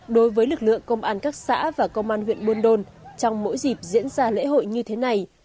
đối với lực lượng công an các xã và công an huyện buôn đôn trong mỗi dịp diễn ra lễ hội như thế này